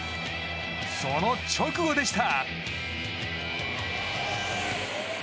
その直後でした！